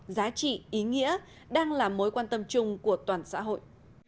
giá trị ý nghĩa đang là mối quan tâm chung của toàn xã hội